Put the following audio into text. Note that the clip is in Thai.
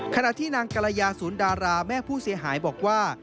ขณะที่นางกรยาศูนย์ดาราแม่ผู้เสียหายบอกว่า